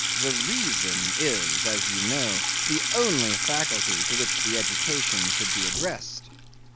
The reason is (as you know) the only faculty to which education should be addressed.